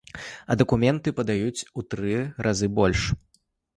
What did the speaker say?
А дакументы падаюць у тры разы больш!